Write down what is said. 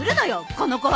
この子は。